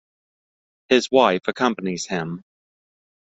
His wife accompanies him.